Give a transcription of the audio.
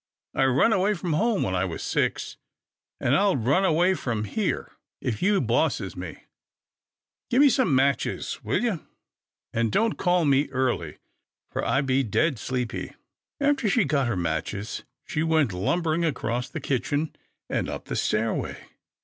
I run away from home when I was six, an' I'll run away from here A CONFLICT OF WILLS 17 if you bosses me. — Gimme some more matches will ye, an' don't call me early, for I be dead sleepy." After she got her matches, she went lumbering across the kitchen, and up the stairway.